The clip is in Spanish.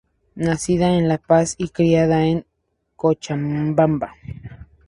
Nacida en La Paz y criada en Cochabamba.